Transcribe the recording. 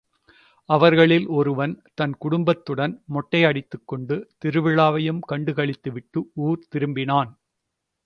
அவர்களில் ஒருவன், தன் குடும்பத்துடன் மொட்டை அடித்துக்கொண்டு, திருவிழாவையும் கண்டுகளித்துவிட்டு ஊர் திரும்பினான்.